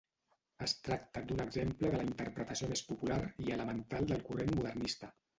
Es tracta d’un exemple de la interpretació més popular i elemental del corrent modernista.